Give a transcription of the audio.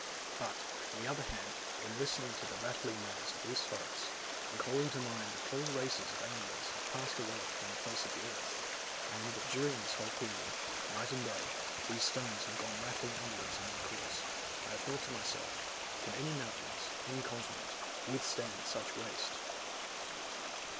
But, on the other hand, when listening to the rattling noise of these torrents, and calling to mind that whole races of animals have passed away from the face of the earth, and that during this whole period, night and day, these stones have gone rattling onwards in their course, I have thought to myself, can any mountains, any continent, withstand such waste?